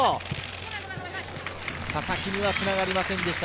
佐々木にはつながりませんでした。